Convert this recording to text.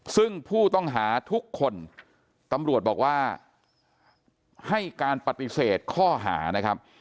ซึ่งผู้ต้องหาทุกคนตำรวจบอกว่าให้การปฏิเสธข้อหานะครับ